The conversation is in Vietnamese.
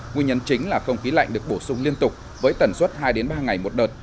nguyên nhân chính là không khí lạnh được bổ sung liên tục với tần suất hai ba ngày một đợt